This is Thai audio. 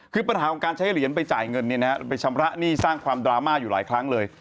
คือปัญหาของการใช้เหรียญไปจ่ายเงินไปชำระหนี้สร้างความดราม่าอยู่หลายครั้งเลย